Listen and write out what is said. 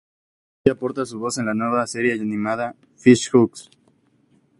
Ella aporta su voz en la nueva serie animada, "Fish Hooks".